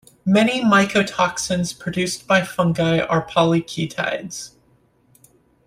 Many mycotoxins produced by fungi are polyketides.